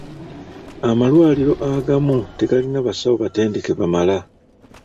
Amalwaliro agamu tegalina basawo batendeke bamala.